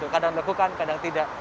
kadang dilakukan kadang tidak